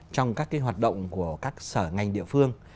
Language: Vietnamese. trong các cái hoạt động của các sở ngành địa phương